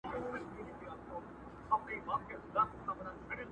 مه مو شمېره پیره په نوبت کي د رندانو!!